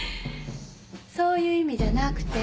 そういう意味じゃなくて。